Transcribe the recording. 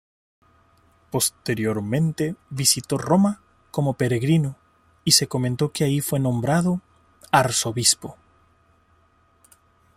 Posteriormente visitó Roma como peregrino y se comentó que ahí fue nombrado arzobispo.